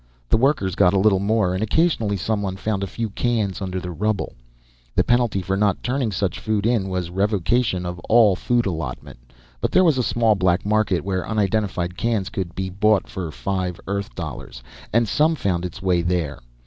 The workers got a little more, and occasionally someone found a few cans under the rubble. The penalty for not turning such food in was revocation of all food allotment, but there was a small black market where unidentified cans could be bought for five Earth dollars, and some found its way there.